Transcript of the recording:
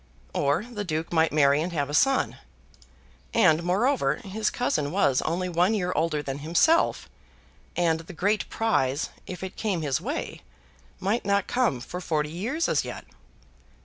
Or the Duke might marry and have a son. And, moreover, his cousin was only one year older than himself, and the great prize, if it came his way, might not come for forty years as yet.